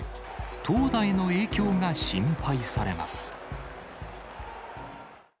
投打への影響が心配されます。